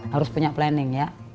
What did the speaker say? harus punya planning ya